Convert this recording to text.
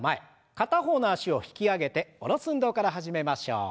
片方の脚を引き上げて下ろす運動から始めましょう。